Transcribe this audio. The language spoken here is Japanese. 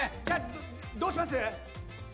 どうします？